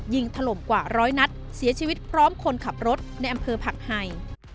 ถล่มกว่าร้อยนัดเสียชีวิตพร้อมคนขับรถในอำเภอผักไห่